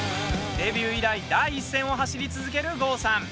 デビュー以来第一線を走り続ける郷さん。